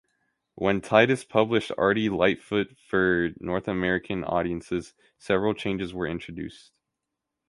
When Titus published Ardy Lightfoot for North American audiences, several changes were introduced.